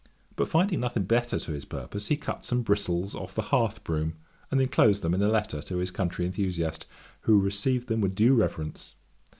But finding nothing better to his purpose, he cut some bristles off his hearth broom, and enclosed them in a letter to his country enthusiast, who received them with due reverence.